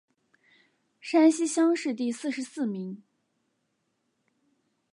山西乡试第四十四名。